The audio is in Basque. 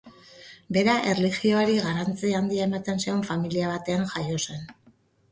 Bera erlijioari garrantzi handia ematen zion familia batean jaio zen.